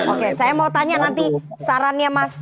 oke saya mau tanya nanti sarannya mas